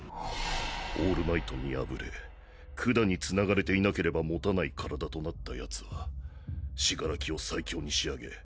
オールマイトに敗れ管に繋がれていなければ保たない身体となった奴は死柄木を最強に仕上げ